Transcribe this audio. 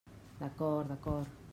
D'acord, d'acord.